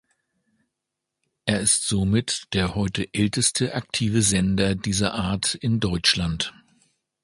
Er ist somit der heute älteste aktive Sender dieser Art in Deutschland.